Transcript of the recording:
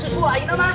susu kemana ika kan